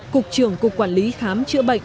cục trưởng cục quản lý khám chữa bệnh